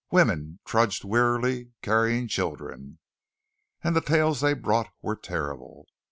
Women trudged wearily, carrying children. And the tales they brought were terrible.